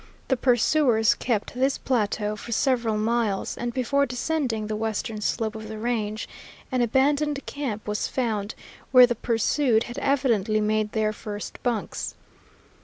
The pursuers kept this plateau for several miles, and before descending the western slope of the range an abandoned camp was found, where the pursued had evidently made their first bunks.